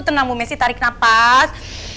tenang bu messi tarik napas